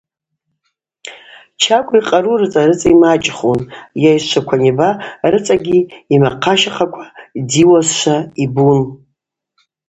Чагва йкъару рыцӏа-рыцӏа ймачӏхун, йайщчваква аниба рыцӏагьи ймахъащахъаква дийуазшва йбун.